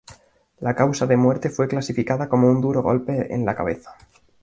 La causa de muerte fue clasificada como un duro golpe en la cabeza.